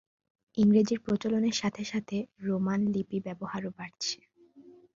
ইংরেজির প্রচলনের সাথে সাথে রোমান লিপি ব্যবহারও বাড়ছে।